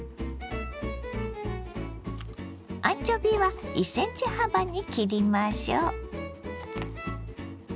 アンチョビは１ｃｍ幅に切りましょ。